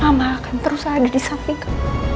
mama akan terus ada di sapiku